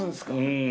うん。